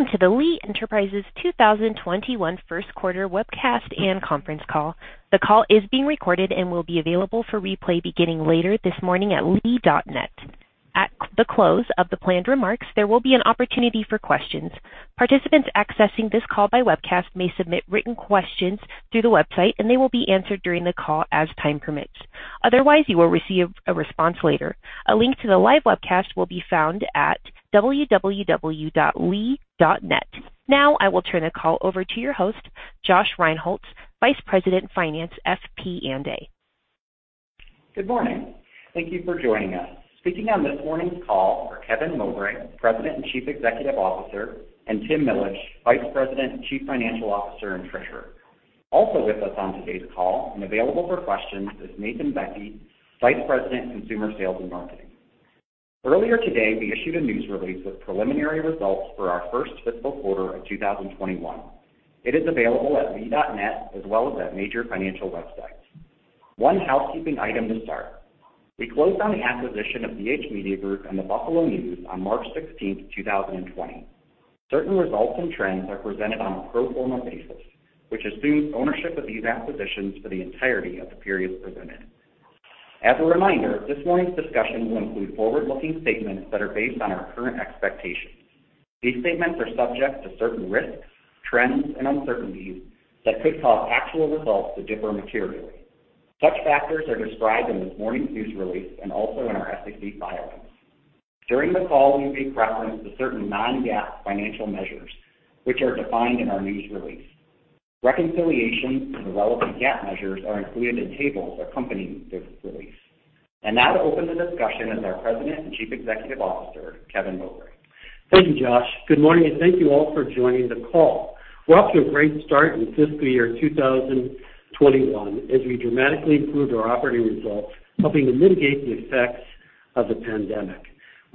Welcome to the Lee Enterprises 2021 first quarter webcast and conference call. The call is being recorded and will be available for replay beginning later this morning at lee.net. At the close of the planned remarks, there will be an opportunity for questions. Participants accessing this call by webcast may submit written questions through the website, and they will be answered during the call as time permits. Otherwise, you will receive a response later. A link to the live webcast will be found at www.lee.net. Now I will turn the call over to your host, Josh Rinehults, Vice President Finance, FP&A. Good morning. Thank you for joining us. Speaking on this morning's call are Kevin Mowbray, President and Chief Executive Officer, and Tim Millage, Vice President and Chief Financial Officer, and Treasurer. Also with us on today's call and available for questions is Nathan Bekke, Vice President, Consumer Sales and Marketing. Earlier today, we issued a news release with preliminary results for our first fiscal quarter of 2021. It is available at lee.net as well as at major financial websites. One housekeeping item to start. We closed on the acquisition of BH Media Group and the Buffalo News on March 16th, 2020. Certain results and trends are presented on a pro forma basis, which assumes ownership of these acquisitions for the entirety of the periods presented. As a reminder, this morning's discussion will include forward-looking statements that are based on our current expectations. These statements are subject to certain risks, trends, and uncertainties that could cause actual results to differ materially. Such factors are described in this morning's news release and also in our SEC filings. During the call, we may reference to certain non-GAAP financial measures, which are defined in our news release. Reconciliations to the relevant GAAP measures are included in tables accompanying this release. Now to open the discussion is our President and Chief Executive Officer, Kevin Mowbray. Thank you, Josh. Good morning, and thank you all for joining the call. We're off to a great start in fiscal year 2021 as we dramatically improved our operating results, helping to mitigate the effects of the pandemic.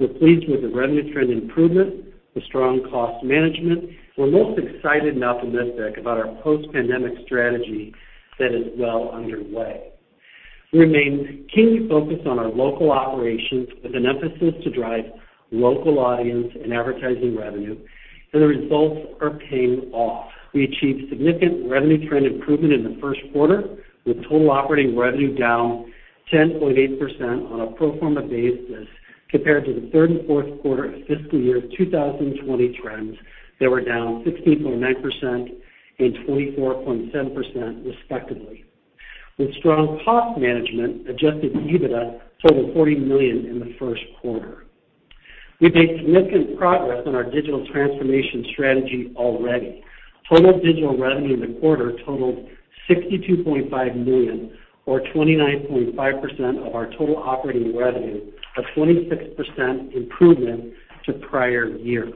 We're pleased with the revenue trend improvement, the strong cost management. We're most excited and optimistic about our post-pandemic strategy that is well underway. We remain keenly focused on our local operations with an emphasis to drive local audience and advertising revenue, and the results are paying off. We achieved significant revenue trend improvement in the first quarter, with total operating revenue down 10.8% on a pro forma basis compared to the third and fourth quarter of fiscal year 2020 trends that were down 16.9% and 24.7% respectively. With strong cost management, adjusted EBITDA totaled $40 million in the first quarter. We've made significant progress on our digital transformation strategy already. Total digital revenue in the quarter totaled $62.5 million, or 29.5% of our total operating revenue, a 26% improvement to prior year.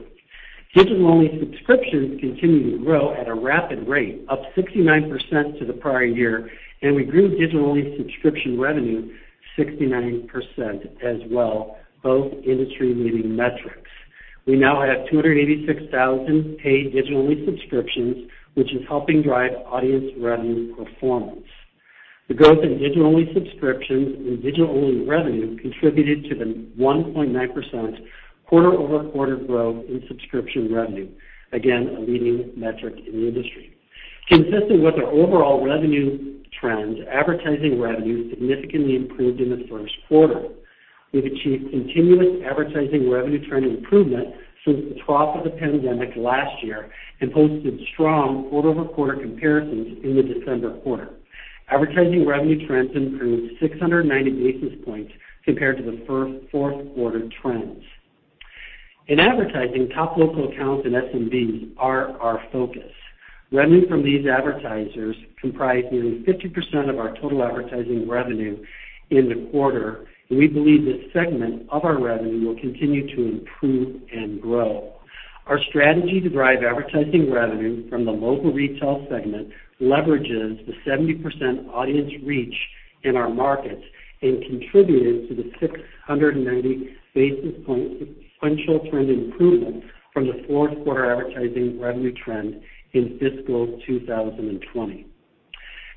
Digital-only subscriptions continue to grow at a rapid rate, up 69% to the prior year. We grew digital-only subscription revenue 69% as well, both industry-leading metrics. We now have 286,000 paid digital-only subscriptions, which is helping drive audience revenue performance. The growth in digital-only subscriptions and digital-only revenue contributed to the 1.9% quarter-over-quarter growth in subscription revenue. Again, a leading metric in the industry. Consistent with our overall revenue trend, advertising revenue significantly improved in the first quarter. We've achieved continuous advertising revenue trend improvement since the trough of the pandemic last year and posted strong quarter-over-quarter comparisons in the December quarter. Advertising revenue trends improved 690 basis points compared to the fourth quarter trends. In advertising, top local accounts and SMBs are our focus. Revenue from these advertisers comprised nearly 50% of our total advertising revenue in the quarter, and we believe this segment of our revenue will continue to improve and grow. Our strategy to drive advertising revenue from the local retail segment leverages the 70% audience reach in our markets and contributed to the 690 basis point sequential trend improvement from the fourth quarter advertising revenue trend in fiscal 2020.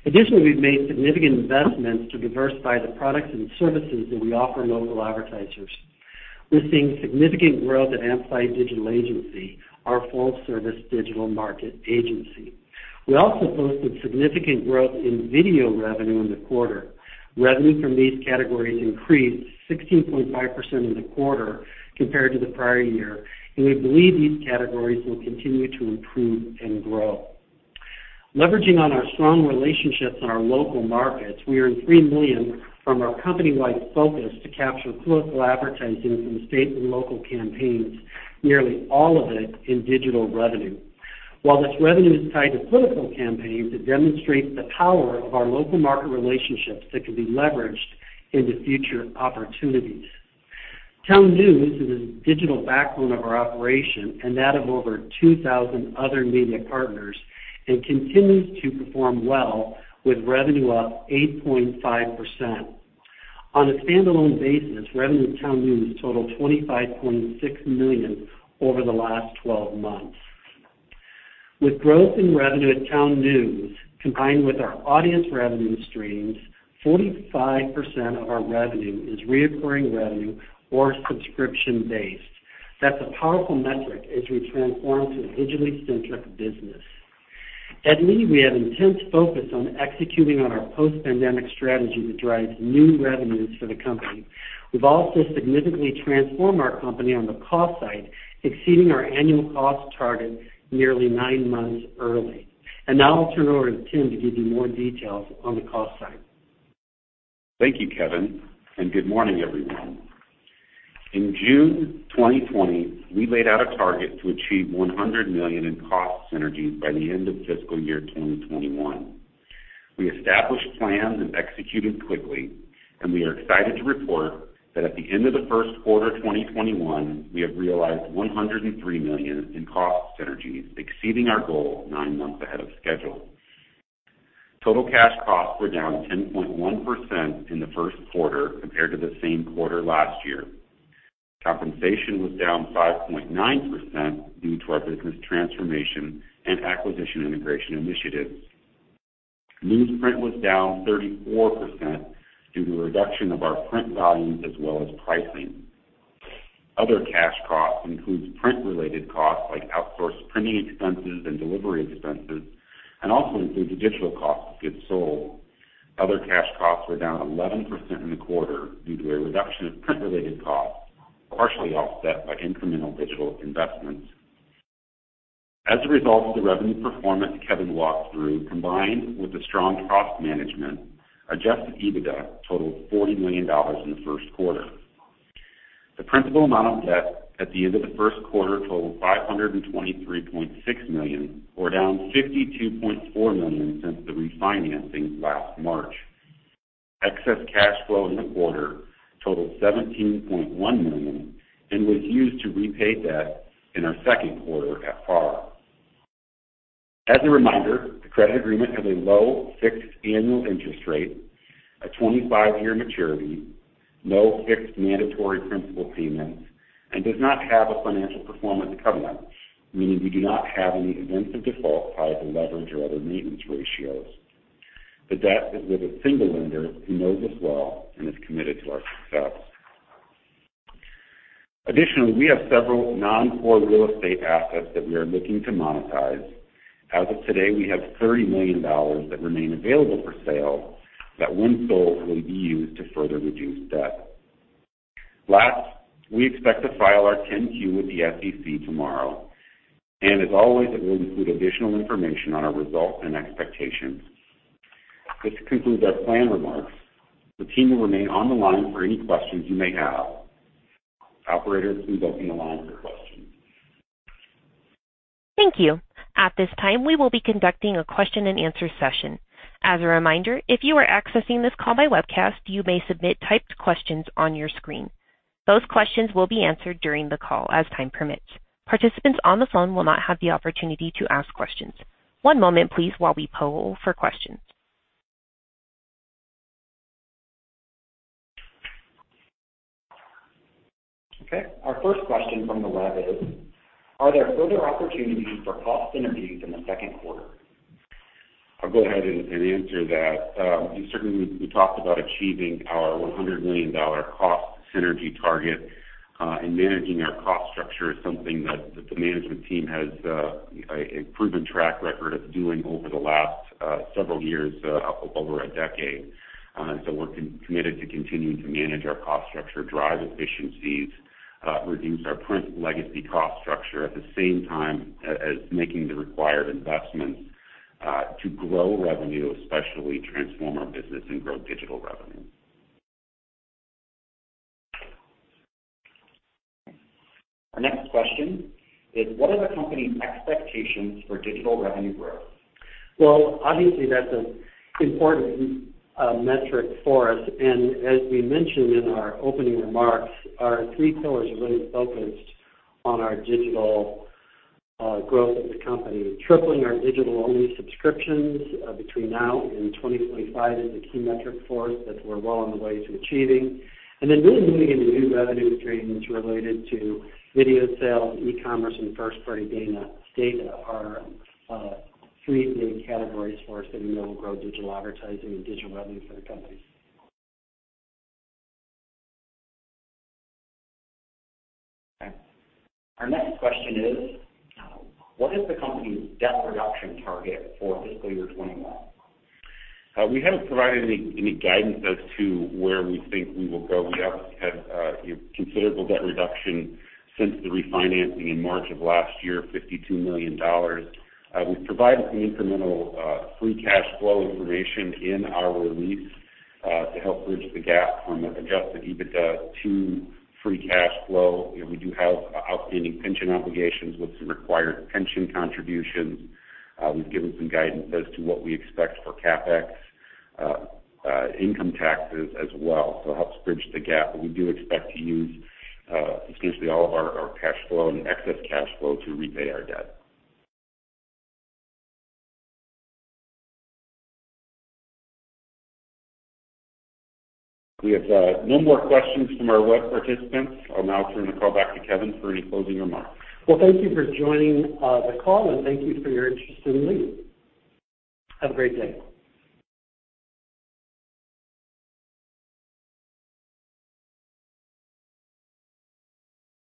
Additionally, we've made significant investments to diversify the products and services that we offer local advertisers. We're seeing significant growth at Amplified Digital Agency, our full service digital market agency. We also posted significant growth in video revenue in the quarter. Revenue from these categories increased 16.5% in the quarter compared to the prior year, and we believe these categories will continue to improve and grow. Leveraging on our strong relationships in our local markets, we earned $3 million from our company-wide focus to capture political advertising from state and local campaigns, nearly all of it in digital revenue. While this revenue is tied to political campaigns, it demonstrates the power of our local market relationships that can be leveraged into future opportunities. TownNews is the digital backbone of our operation and that of over 2,000 other media partners and continues to perform well with revenue up 8.5%. On a standalone basis, revenue at TownNews totaled $25.6 million over the last 12 months. With growth in revenue at TownNews, combined with our audience revenue streams, 45% of our revenue is recurring revenue or subscription-based. That's a powerful metric as we transform to a digitally centric business. At Lee, we have intense focus on executing on our post-pandemic strategy that drives new revenues for the company. We've also significantly transformed our company on the cost side, exceeding our annual cost targets nearly nine months early. Now I'll turn it over to Tim to give you more details on the cost side. Thank you, Kevin, and good morning, everyone. In June 2020, we laid out a target to achieve $100 million in cost synergies by the end of fiscal year 2021. We established plans and executed quickly, we are excited to report that at the end of the first quarter 2021, we have realized $103 million in cost synergies, exceeding our goal nine months ahead of schedule. Total cash costs were down 10.1% in the first quarter compared to the same quarter last year. Compensation was down 5.9% due to our business transformation and acquisition integration initiatives. Newsprint was down 34% due to a reduction of our print volumes as well as pricing. Other cash costs includes print-related costs like outsourced printing expenses and delivery expenses, also includes digital cost of goods sold. Other cash costs were down 11% in the quarter due to a reduction of print-related costs, partially offset by incremental digital investments. As a result of the revenue performance Kevin walked through, combined with the strong cost management, adjusted EBITDA totaled $40 million in the first quarter. The principal amount of debt at the end of the first quarter totaled $523.6 million, or down $52.4 million since the refinancing last March. Excess cash flow in the quarter totaled $17.1 million and was used to repay debt in our second quarter at par. As a reminder, the credit agreement has a low fixed annual interest rate, a 25-year maturity, no fixed mandatory principal payments, and does not have a financial performance covenant, meaning we do not have any events of default tied to leverage or other maintenance ratios. The debt is with a single lender who knows us well and is committed to our success. Additionally, we have several non-core real estate assets that we are looking to monetize. As of today, we have $30 million that remain available for sale that, when sold, will be used to further reduce debt. Last, we expect to file our 10-Q with the SEC tomorrow, and as always, it will include additional information on our results and expectations. This concludes our planned remarks. The team will remain on the line for any questions you may have. Operator, please open the line for questions. Thank you. At this time, we will be conducting a question and answer session. As a reminder, if you are accessing this call by webcast, you may submit typed questions on your screen. Those questions will be answered during the call as time permits. Participants on the phone will not have the opportunity to ask questions. One moment please while we poll for questions. Okay. Our first question from the web is: are there further opportunities for cost synergies in the second quarter? I'll go ahead and answer that. Certainly, we talked about achieving our $100 million cost synergy target. Managing our cost structure is something that the management team has a proven track record of doing over the last several years, over a decade. We're committed to continuing to manage our cost structure, drive efficiencies, reduce our print legacy cost structure at the same time as making the required investments to grow revenue, especially transform our business and grow digital revenue. Our next question is. What are the company's expectations for digital revenue growth? Well, obviously that's an important metric for us, and as we mentioned in our opening remarks, our three pillars are really focused on our digital growth of the company. Tripling our digital-only subscriptions between now and 2025 is a key metric for us that we're well on the way to achieving. Really leaning into new revenue streams related to video sales, e-commerce, and first-party data are three big categories for us that we know will grow digital advertising and digital revenue for the company. Okay. Our next question is. What is the company's debt reduction target for fiscal year 2021? We haven't provided any guidance as to where we think we will go. We have had considerable debt reduction since the refinancing in March of last year, $52 million. We've provided some incremental free cash flow information in our release to help bridge the gap from adjusted EBITDA to free cash flow. We do have outstanding pension obligations with some required pension contributions. We've given some guidance as to what we expect for CapEx income taxes as well, so helps bridge the gap. We do expect to use essentially all of our cash flow and excess cash flow to repay our debt. We have no more questions from our web participants. I'll now turn the call back to Kevin for any closing remarks. Well, thank you for joining the call, and thank you for your interest in Lee. Have a great day.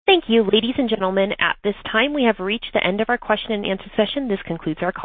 Thank you, ladies and gentlemen. At this time, we have reached the end of our question and answer session. This concludes our call.